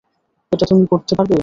এটা তুমি করতে পারবে?